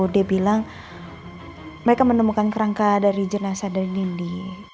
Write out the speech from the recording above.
dia bilang mereka menemukan kerangka dari jenazah dari nindi